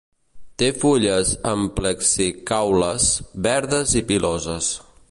Té fulles amplexicaules, verdes i piloses.